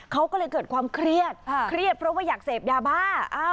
เขาก็เลยเกิดความเครียดเครียดเพราะว่าอยากเสพยาบ้า